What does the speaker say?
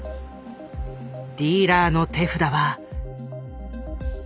ディーラーの手札は。